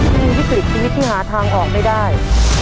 คุณมีวิกฤตชีวิตที่หาทางออกไม่ได้